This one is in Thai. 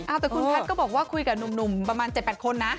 แต่คุณแพทย์ก็บอกว่าคุยกับหนุ่มประมาณ๗๘คนนะ